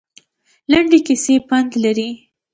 لنډې کیسې پند لري